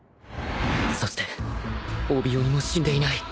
そして帯鬼も死んでいない